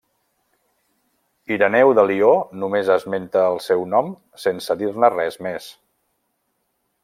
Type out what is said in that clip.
Ireneu de Lió només esmenta el seu nom, sense dir-ne res més.